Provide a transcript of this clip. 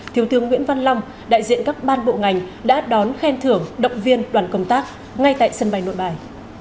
thiếu tướng nguyễn văn long đại diện các ban bộ ngành đã đón khen thưởng động viên đoàn công tác ngay tại sân bay nội bài